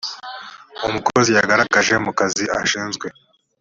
umukozi yagaragaje mu kazi ashinzwe